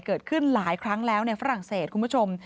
เกิดขึ้นหลายครั้งแล้วในฝรั่งเศสคุณผู้ชม